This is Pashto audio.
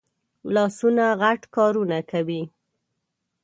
لاسونه غټ کارونه کوي